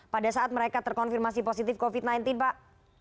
pada saat mereka terkonfirmasi positif covid sembilan belas pak